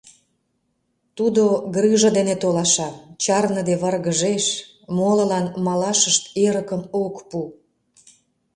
Тудо грыжа дене толаша, чарныде варгыжеш, молылан малашышт эрыкым ок пу.